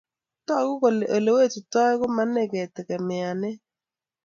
Togu kole ole wetutoi ko mane kitegemeane